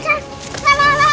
tak ada alat